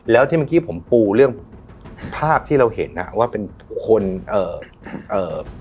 แล้วที่เมื่อกี้ผมปูเรื่องภาพที่เราเห็นอ่ะว่าเป็นคนเอ่อเอ่อ